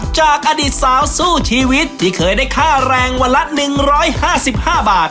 จากอดีตสาวสู้ชีวิตที่เคยได้ค่าแรงวันละ๑๕๕บาท